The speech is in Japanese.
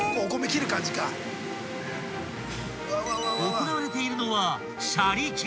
［行われているのは］